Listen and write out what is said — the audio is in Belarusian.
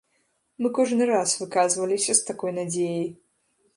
Мы кожны раз выказваліся з такой надзеяй.